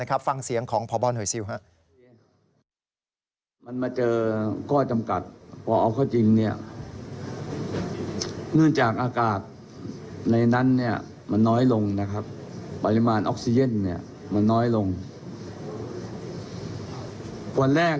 แล้วก็วิตกกังวลมากนะครับ